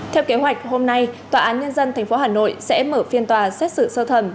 theo kế hoạch hôm nay tòa án nhân dân tp hà nội sẽ mở phiên tòa xét xử sơ thẩm